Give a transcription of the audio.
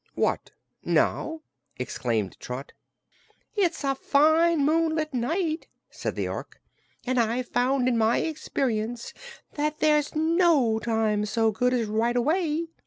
"What, now?" exclaimed Trot. "It is a fine moonlight night," said the Ork, "and I've found in my experience that there's no time so good as right away.